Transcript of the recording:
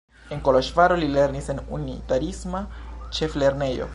En Koloĵvaro li lernis en unitariisma ĉeflernejo.